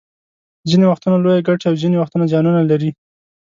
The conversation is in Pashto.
ځینې وختونه لویې ګټې او ځینې وخت زیانونه لري